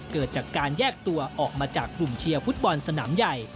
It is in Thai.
เกิดจากการแยกตัวออกมาจากกลุ่มเชียร์ฟุตบอลสนามใหญ่